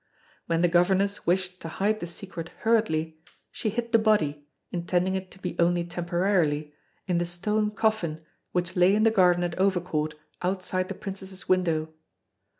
When the governess wished to hide the secret hurriedly, she hid the body, intending it to be only temporarily, in the stone coffin which lay in the garden at Overcourt outside the Princess's window.